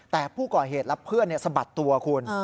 แต่ผู้ก่อเหตุและเพื่อนสะบัดตัวคุณ